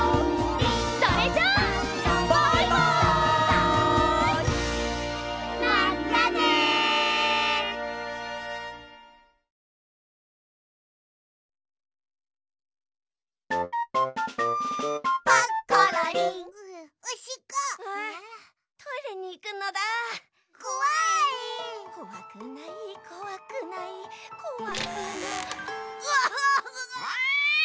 うわ！